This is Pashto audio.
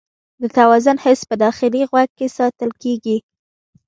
د توازن حس په داخلي غوږ کې ساتل کېږي.